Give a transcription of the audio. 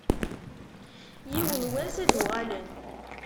Yiwen n wass ad d-uɣalen.